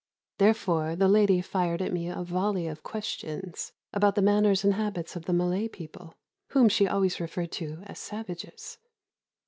Therefore the lady fired at me a volley of questions, about the manners and habits of the Malay people, whom she always referred to as "savages."